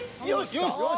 ［よし！］